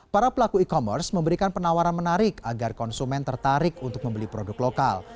para pelaku e commerce memberikan penawaran menarik agar konsumen tertarik untuk membeli produk lokal